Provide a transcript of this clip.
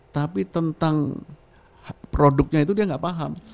tapi tentang produknya itu dia nggak paham